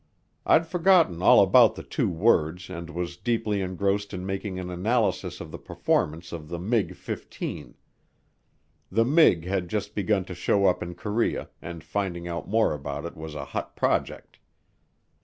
I'd forgotten all about the two words and was deeply engrossed in making an analysis of the performance of the Mig 15. The Mig had just begun to show up in Korea, and finding out more about it was a hot project.